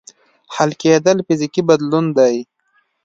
حل کېدل فزیکي بدلون دی.